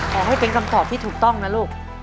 ขอให้เป็นคำตอบที่ถูกต้องนะลูก